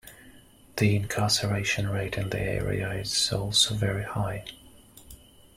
The incarceration rate in the area is also very high.